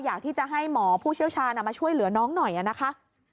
อยากที่จะให้หมอผู้เชี่ยวชาญมาช่วยเหลือน้องหน่อยนะคะ